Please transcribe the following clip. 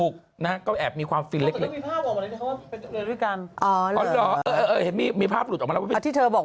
ก็แอบมีความฟิลเลส